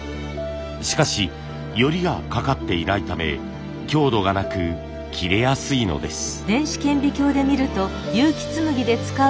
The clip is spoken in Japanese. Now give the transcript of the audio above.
しかし撚りがかかっていないため強度がなく切れやすいのです。